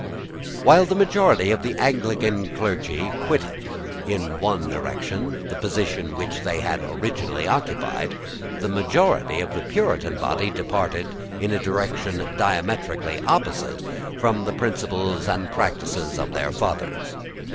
While the majority of the Anglican clergy quitted, in one direction, the position which they had originally occupied, the majority of the Puritan body departed, in a direction diametrically opposite, from the principles and practices of their fathers.